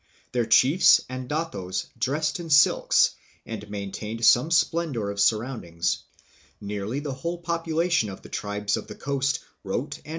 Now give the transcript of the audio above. Their chiefs and datos dressed in silks, and maintained some splendor of surroundings; nearly the whole population of the tribes of the coast wrote and Moro Brass Cannon, or "Lantaka."